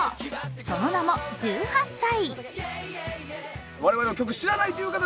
その名も「１８祭」。